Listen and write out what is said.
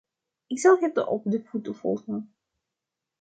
Ik zal het op de voet volgen.